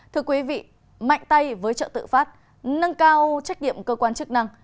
thưa quý vị mạnh tay với trợ tự phát nâng cao trách nhiệm cơ quan chức năng